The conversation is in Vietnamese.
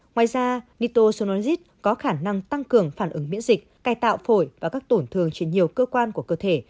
ngoài ra nitazosanit có khả năng tăng cường phản ứng miễn dịch cài tạo phổi và các tổn thường trên nhiều cơ quan của cơ thể